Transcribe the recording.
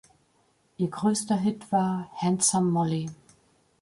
Ihr größter Hit war "Handsome Molly".